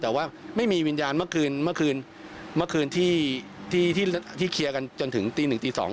แต่ว่าไม่มีวิญญาณเมื่อคืนเมื่อคืนที่เคลียร์กันจนถึงตีหนึ่งตี๒